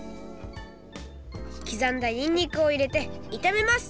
きざんだニンニクをいれていためます